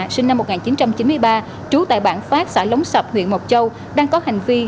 sinh năm một nghìn chín trăm chín mươi ba trú tại bản phát xã lống sập huyện mộc châu